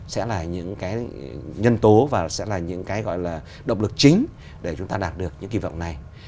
sẽ là những nhân tố và sẽ là những động lực chính để chúng ta đạt được những kỳ vọng này